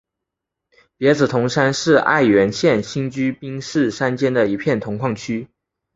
别子铜山是爱媛县新居滨市山间的一片铜矿区。